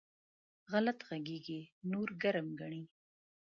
غلط غږېږي؛ نور ګرم ګڼي.